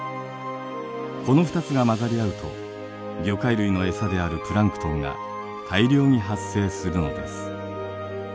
この２つが混ざり合うと魚介類の餌であるプランクトンが大量に発生するのです。